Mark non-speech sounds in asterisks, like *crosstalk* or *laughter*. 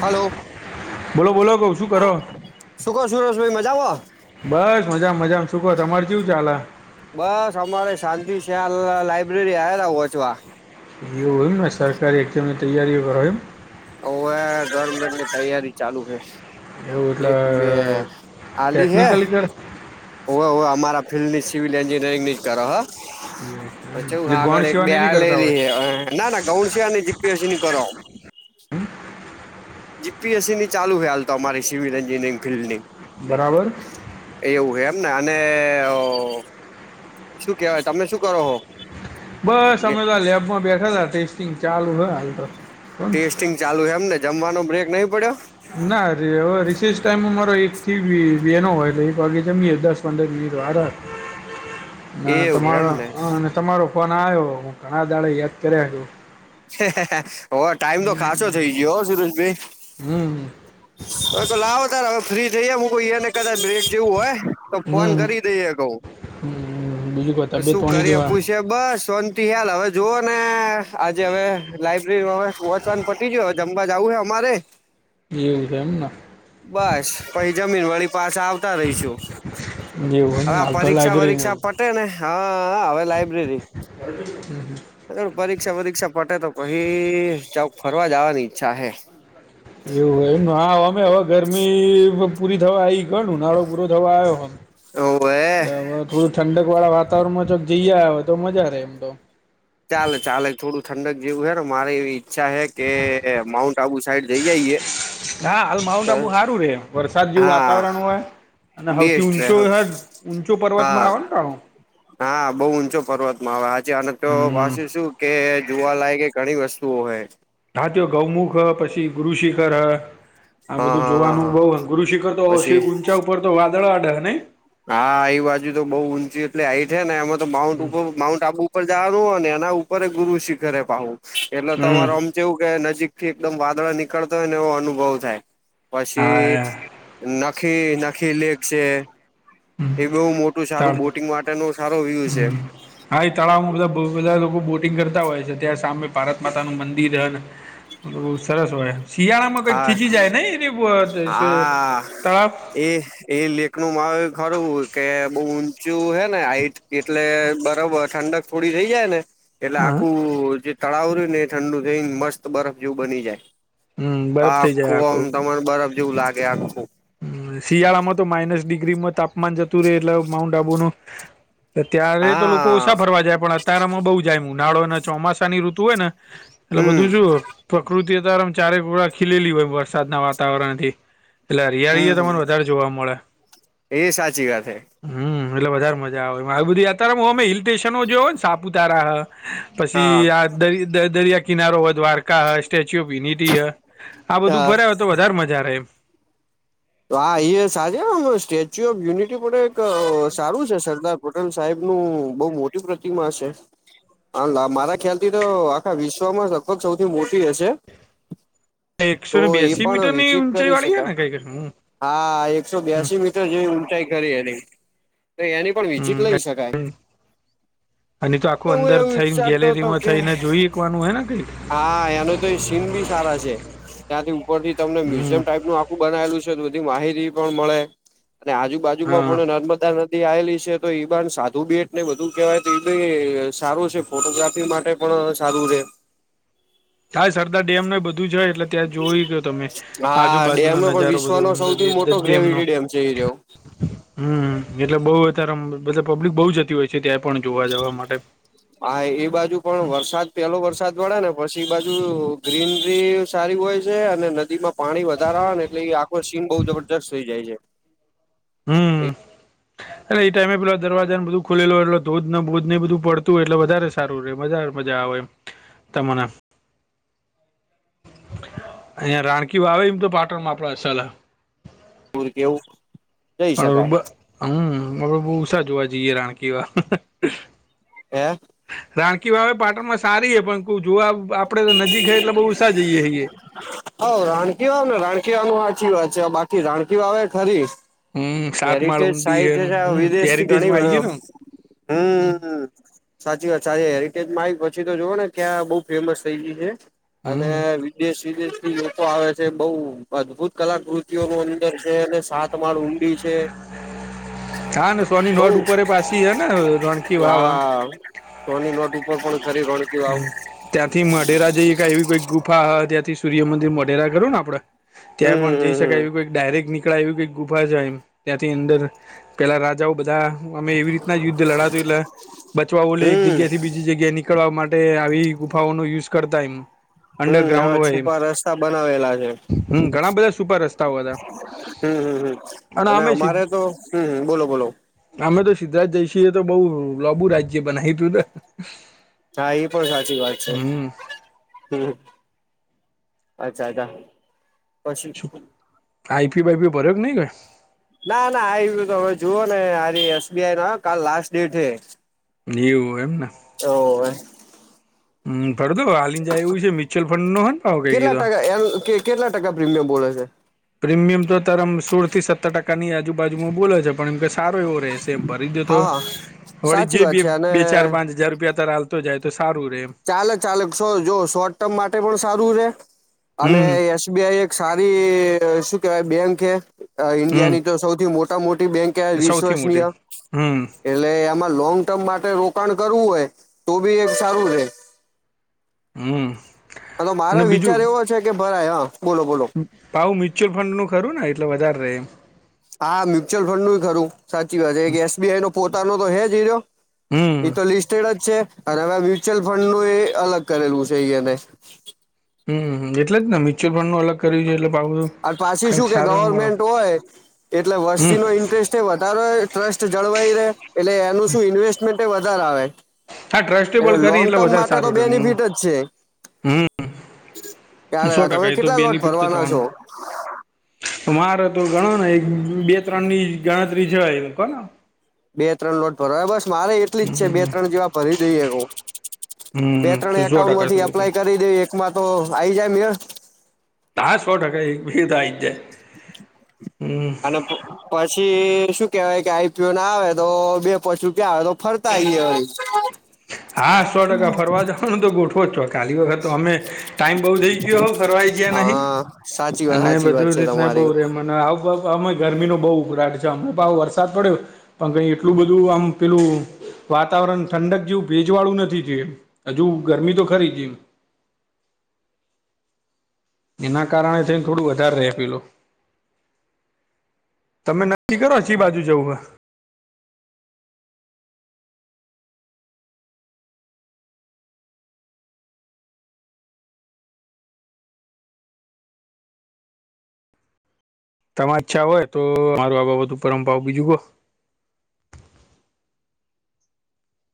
Hello. બોલો કહો શું કરો. શું શુંરષ મજા. બસ મજામાં મજા શું તમારે કેવું ચાલ આ, બસ અમારે શાંતિ શ્યાલ લાાઈબ્રેરી આવેલા વાંચવા. હોય મને સરકારી નોકરી તૈયારીઓ કરો. હવે ગવર્મેન્ટની તૈયારી ચાલુ છે‌. એવું એટલે એક બે આવી છે. ટેકનિકલી કર હા અમારા ફિલ્ડની સિવલ એન્જિનયરિંગ ની કરો હા. પછી હું એટલે ગૌણ આગળ એક બે સિવાની નહીં આર લઈ કરતા હોય રહ ના, ગૌણ સેવા અને જીપીએસીની કરો. જીપીએસસી ની ચાલુ હવે તો અમારી સિવિલ એન્જિનયરિંગ ફિલ્ડની, બરાબર. એવું હા એમને અને, શું કેવાય તમે શું કરો છો. બસ અમે તો લેબમાં બેઠા હતા ટેસ્ટિંગ ચાલુ છે. ટેસ્ટિંગ ચાલુ છે એમને જમવાનો બ્રેક નહી પડ્યો. નાવે રિસેસ ટાઈમ મારો એક થી બેનો હોય એક વાગે જમીએ દસ પંડર મિનિટ વારહ. *unintelligible* ના તમારો એમને અને તમારો ફોન આવ્યો હું ઘણા દાડે યાદ કર્યા છું. ઓ ટાઈમ તો ખાસો થઇ ગયો હો, સુરજભાઈ. હમ. હવે તો લાવો તાર હવે ફ્રી થઈ હું કોઈ ને કદાચ બ્રેક જેવું હોય તો ફોન હમ કરી દઈએ કહઉ. હમ બીજું કોઈ તો તબિયત શું પાણી કરી કેવા આપું છે? બસ સોનથી હ્યાલ હવે જુઓ ને આજે હવે લાઈબ્રેરીમાં હ વોંચવાનું પટી ગયો જમવા જવું હે અમારે એવું છે એમને. બસ પછી જમીન વાળી પાસે આવતા રહીશું. એવું હવે એમને આ હાલ તો પરીક્ષા લાયબ્રેરીમાં વરીક્ષા પટે ને હા હવે લાઈબ્રેરી. હમ હમ. અ પરીક્ષા પરીક્ષા પટે તો પઈાવ ફરવા જવાની ઈચ્છા હે. એવું હો એમમે હવે ગરમી પૂરી થવા આઈ ગણ નાળો પૂરો થવા આવ્યો ઓવે એલે હવે થોડું ઠંડક વાળા વાત વાતાવરણમાં જોક જઈયા આવે હો તો મજા રે એમ તો. ચાલે ચાલે થોડું ઠંડક જેવું હને મારે એવી ઈચ્છા હ કે માઉન્ટ આબુ સાઈડ જઈ જઈએ. હા હાલ માઉબુ સારું રે. વરસાદ જેવું હા વાતાવરણ હોય અને હૌથી બેસ્ટ રે ઊંચો હ ઊંચો હા પર્વતમાં આવે ને રાણો. હા બઉુ ઊંચો પર્વતમાં હવે આજે અને તો હમ પાસે શું કે જોવા લય કે ઘણી વસ્તુ તો હૈ. ધાતીયો ગૌમુખ હ પછી ગુરુ શિખર હ આ હા બધું હા હા જોવાનું હા બઉ ગુરુ, શિખર તો શ પછી ઊંચા ઉપર તો વાદળ વાડે નને? હા એ બાજુ તો બઉુ ઊંચી એટલે આઈ છે ને એમાં તો માઉન્ટ માઉન્ટ આબુ ઉપર જવાનું હોય ને એના ઉપર ગુરુ શિખરે પું એટલે હમ તમારોમ જેવું કે નજીક થી એકદમ વાદળા નીકળતો હોય ને એવો અનુભવ થાય, પછી હા નાખી નાખી લેક છે. હમ એ બઉ મોટું તળ સારું બોટિંગ માટેનો સારો વ્યુ છે. હમ હા એ તળાવમાં બધા બધા લોકો બોટિંગ કરતા હોય છે. ત્યાં સામે પારત માતાનું મંદિર હ મલ બહુ સરસ હોય. શિયાળામાં કઈક હા ખીચી જાય નહી એની હા તળાવ? એ એ લેખ નું મા ખરું કે બઉ ઊંચું હે ને હાઈટ એટલે બરાબર ઠંડક થોડી રહી જાય ને એટલે હા આખું જે તળાવ રહય ને એ ઠંડુ થઈને મસ્ત બરફ જેવું બની જાય. હમ બરફ આ થઈ જાય આખું આમ તમાર બરફ જેવું લાગે આખું. શિયાળામાં તો માઇનસ ડિગ્રીમાં તાપમાન જતું રહેે એટલે માઉન્ટ આબુ નું ત્યારે તો લોકો હા ઓછા ફરવા જાય પણ અતારામાં બઉ જાય ઉનાળો અને ચોમાસા ની ઋતુ હોય ને એટલે હમ બધું શું પ્રકૃતિ અ તારમ ચારેક ગોડા ખીલેલી હોય વરસાદના વાતાવરણ થી. એટલે હરિયાળીઓ હમ હમ તને વધારે જોવા મળે. એ સાચી વાત હે હમ એટલે વધારે મજા આવે બધી. યા તાર હ અમે હિલ સ્ટેશનો જોયો ને સાપુતારા હા પછી આ દ દરિયા કિનારો વધ વાર કા સ્ટેચ્યુ ઓફ યુનિટી હ આ બધું હા ફર્યા હોય, તો વધારે મજા રહે એમ. તો આા એ સાજે સ્ટેચ્યુ ઓફ યુનિટી પણ એક સારું છે સરદાર પટલ સાહેબ નું બઉ મોટી પ્રતિમા છે. હ મારા ખ્યાલથી તો આખા વિશ્વમાં લગભગ સૌથી મોટી રહેશે? એકસો ને બે્યાસી મીટર ની ઉઊંચાઈ કરી વાળી છે શકાય ને કઈક હું? હા એકસો બ્યાસી મીટર જેવી ઊંચાઈ કરી એની. તો એની પણ હમ વિઝિટ લઈ શકાય. અને તો આખું હું અંદર એવું થઈને વિચારતો હતો ગેલેરીમાં કે થઈને જોઈકવાનું હોય ને કઈક. હા એનું તો સીન બી સારા છે. ત્યાંથી ઉપર થી તમને હમ મ્યુઝિયમ ટાઈપ નું આખું બનાવેલું છે. બધી માહિતી પણ મળે અને હા આજુબાજુમાં પણ નર્મદા નથી આવેલી છે તો ઈબાન સાધુ બેટ ને બધું કેહેવાય તો ઈબ સારું છે ફોટોગ્રાફી માટે પણ સારું રે. થાય સરદાર ડેમ ને બધું બધું જય એટલે ત્યાં જોઈ ગયો તમે હા આજુબાજુનો ડેમ પણ નજારો બધો વિશ્વનો અ સૌથી દ મોટો ડેમનો. ગ્રેવિટી ડેમ છે એ રહ્યો. હમ, એટલે બહ અત્યારે પબ્લિક બહુ જતી હોય છે ત્યાં પણ જોવા જવા માટે. હા એ બાજુ પણ વરસાદ પેલો વરસાદ પડે ને પછી એ બાજુ ગ્રીનરી સારી હોય છે અને નદીમાં પાણી વધારારે આવે ને એટલે એ આખો સીન બઉ જબરજસ્ત થઈ જાય છે. હમ. *unintelligible* એટલે એ ટાઈમે પેલા દરવાજા ને બધું ખુલેલો હો એટલે ધોધ બોધ નને બધું પડતુંય એટલે વધારે સારું રહેે મજાારે મજા આવે. તમના અહીંયા રાણકી વાવે એમ તો પાટણમાં આપડા સલા. પર કેવું? પણ રબા હમ બ ઉષા જોવા જઈએ રાણકીવા. હે? રાણકી વાવે પાટણ માં સારી હ પણ જો આપડે તો નજીક હ એટલે બહુ ઉષા જઈએ છએ. હ રાણકી વા ને રાણકી વા ન સાચી વાત છે. બાકી રાણકી વા આવે ખરી હમ સાત માળ હેરિટેજ ઊંડી હે સાઈટ છે હમ વિદેશ થી ઘણી હેરિટેજમાં આઈ ગઈ ને હમ્મ સાચી વાત સા હેરિટેજ મા આઇ પછી તો જુઓ ને ક્યાં બઉ ફેમસ થઈ ગય છે અને હમ દેશ વિદેશ થી લોકો આવે છે બહુ અદ્ભુત કલાકૃતિઓ ન અંદર છે અને સાત તમાર ઊંડી છે. હા ને સોની બહ નોટ ઉપર પાછી હે ને રણકી વાવ હા *unintelligible* ત્યાંથી મઢેરા જઈએ ક એવી કોઈ ગુફા ત્યાંથી સૂર્યમંદિર મઢેરા કરું ને આપડે હમ ત્યાં પણ હમ જઈશ હમ ડાયરેક્ટ નીકળ આવ્યુંઈ ગુફા જાય. ત્યાંથી અંદર પેલા રાજાઓ બધા અમે એવી રીતના યુદ્ધ લડાતું એટલે બચવા બોલે એક હમ જગ્યા થી બીજી જગ્યા નીકળવા માટે માટે આવી ગુફાઓ નો યુઝ કરતા એમ. હમ હમ અંડરગ્રાઉન્ડ હવે હોય. છુપા રસ્તા બનાવેલા છે હમ, ઘણા બધા સુપર રસ્તાઓ હતા. હમ હમ હમ અને અમારે તો હમ બોલો બોલો. અમે તો સિદ્ધરાજ જયશિ એ તો બહ લોબુ રાજ્ય બનાય્યું તું. હા એ પણ સાચી વાત છે. હમ હમ. અચ્છા અચ્છા પછી આઈપી વાઈપી ભર્યો નઈ કઈ? ના ના આ તમે જુઓ ને આ એસબીઆઈ નો કાલ લાસ્ટ ડેટ છે. એવું એમને. ઓવે. હમ ફર તો હાને જાયવું છે મ્યુયઅલ ફંડ નો હો ને ભાવ કઈ કીધો. એમ કે કેટલા ટકા પ્રીમિયમ બોલે છે? પ્રીમિયમ તો તારામાં સોળ થી સત્તર ટકા કાની આજુબાજુમાં બોલે છે પણ એમ કે સારો એવો રહે છે એમ ભરી દો તો હા વળી જે સાચી વાત બે છે અને બે ચાર પાંચ હજાર રૂપિયા તાલતો જાય તો સારું રે એમ. ચાલે ચાલે શો જો શોર્ટ ટર્મ માટે પણ સારું રે અને હમ બીઆઈ એક સારી શું કેહેવાય બેંક છે ઇન્ડિયા હમ ની તો સૌથી મોટા મોટી બેંક ક્યા વિરસો સૌથી મોટી રશનીયા હમ એટલે આમાં લોંગ ટર્મ માટે રોકાણ કરવું હોય તો બી એક સારું રહે. હમ. હ તો મારો અને વિચાર એવો છે કે ભરાય હા બોલો બોલો પાવુ મ્યુચ્યુઅલ ફંડ નું ખરું ને એટલે વધારે ર એ હા મ્યુચ્યુઅલ ફંડ નું ખરું સાચી વાત છે કે એસબીઆઈ નો પોતાનો તો હ જીયો એ હમ તો લિસ્ટેડ જ છે. અરે હવે મ્યુચ્યુઅલફંડનું એ અલગ કરેલું છે એ એને હમ એટલે જને મ્યુચ્યઅલ ફંડ નું અલગ કરી લે એટલે બાહુ. આ પાછી શું કે ગવર્મેન્ટ હોય એટલે હમ વસ્તી નો ઇન્ટરેસ્ટ તે વધારે ટ્રસ્ટ જળવાઈ રહે એટલે એનું શું ઇન્વેસ્ટમેન્ટ એ વધાર આવે હા એટલે ટ્રસ્ટેબલ કરી લોંગ એટલે ટર્મ વધારે માટે તો સારું રે બેનિફિટજ હમ છે. કાલે હમ સો લા ટકા તમે એ તો કેટલા લોટ બેનિફિટ તો ફરવાના છો. થવાનું મારે તો ગણો ને એક બે ત્રણની ગણતરી છે એમ કોન અ બે ત્રણ લોટ ભરવા બસ મારે એટલીજ છે બે ત્રણ જેવા ભરી દઈએ કઉ બે હમ ત્રણ સો એકાઉન્ટ ટકા માંથી સો એપ્લાય કરી દેવી એકમાં તો આઈ જાય ને તાહ સો ટકા એક બી તો આયી જાય. હમ આના હું. પછી શું કેવાય કે આઈ. પી. ઓ ના આવે તો બે પોચ રૂપિયા આવે તો ફરતા આયે વરી હા સો ટકા ફરવા જવાનું તો ગોઠવો ચોક કાલી વખત તો અમે ટાઈમ બહુ થઈ ગયો હો ફરવાય જયા નહીં હા સાચી વાત અને સાચી વાત બધી છે રીતના તમારી બઉજ એમ. મને આવ અમે ગરમીનો બહુ ઉકળાટ છે અમે પાહો વરસાદ પડ્યો. પણ કઈ એટલું બધું આમ પેલું વાતાવરણ ઠંડક જેવું. વેજવાળું નથી થયું એ હજુ ગરમી તો ખરી હતી એના કારણે થઈન થોડું વધાર રે પેલું. તમે નક્કી કરો ચી બાજુ જવું એમ. તમા ઇચ્છા હોય તો મારું આ બાબત ઉપર આમ ભાવ બીજું કો